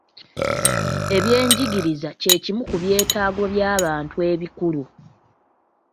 Ebyenjigiriza kye kimu ku byetaago by'abantu ebikulu.